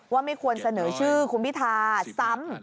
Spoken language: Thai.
ว่าไม่ควรเสนอชื่อคุณพิธาซ้ำ